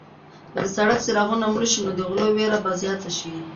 که د سړک څراغونه مړه شي نو د غلو وېره به زیاته شي.